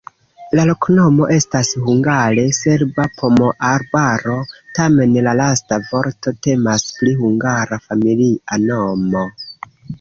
La loknomo estas hungare: serba-pomoarbaro, tamen la lasta vorto temas pri hungara familia nomo.